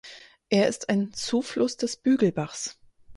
Er ist ein Zufluss des Bügelbachs.